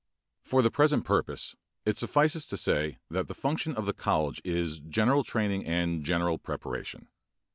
For the present purpose it suffices to say that the function of the college is general training and general preparation.